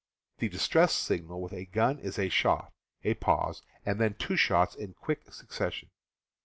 The distress signal with a gun is a shot, a pause, and then two shots in quick succession.